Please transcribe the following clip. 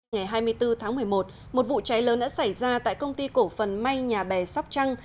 ngày hai mươi bốn tháng một mươi một một vụ cháy lớn đã xảy ra tại công ty cổ phần may nhà bè sóc trăng